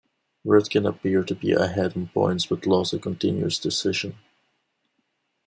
Rudkin appeared to be ahead on points but lost a contentious decision.